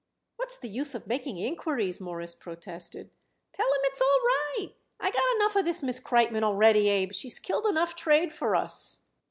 "What's the use of making inquiries?" Morris protested. "Tell him it's all right. I got enough of this Miss Kreitmann already, Abe. She's killed enough trade for us."